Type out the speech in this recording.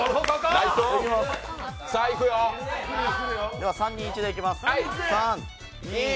では３・２・１でいきます。